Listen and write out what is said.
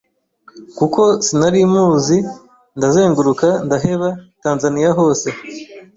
kuko sinari muzi ndazenguruka ndaheba Tanzania hose